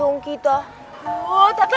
uric karena seharusnya